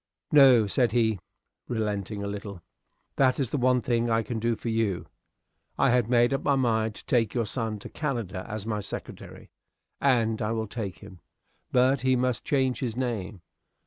"No," said he, relenting a little, "that is the one thing I can do for you. I had made up my mind to take your son to Canada as my secretary, and I will take him. But he must change his name.